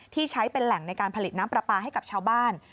ที่ใช้เป็นแหล่งในการผลิตน้ำปลาปลาให้กับชาวบ้าน